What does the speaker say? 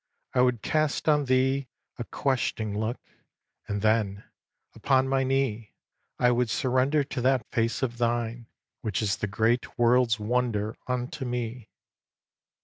I would cast on thee A questioning look, and then, upon my knee, I would surrender to that face of thine Which is the great world's wonder unto me.